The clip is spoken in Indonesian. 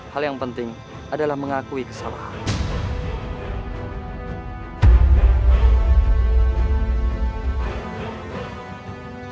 hal yang penting adalah mengakui kesalahan